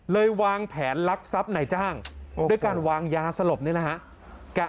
เลยวางแผนลักษัพไหนจ้างด้วยการวางยาสลบนี่นะฮะ